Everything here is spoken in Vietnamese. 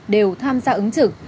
đều tham gia ứng trực